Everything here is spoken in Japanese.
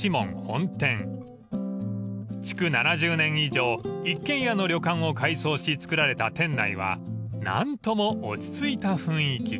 ［築７０年以上一軒家の旅館を改装し造られた店内は何とも落ち着いた雰囲気］